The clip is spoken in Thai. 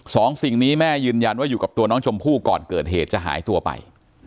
สองสิ่งนี้แม่ยืนยันว่าอยู่กับตัวน้องชมพู่ก่อนเกิดเหตุจะหายตัวไป